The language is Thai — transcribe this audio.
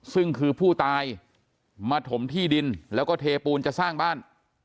ซึ่งคือผู้ตายมาถมที่ดินแล้วก็เทปูนจะสร้างบ้าน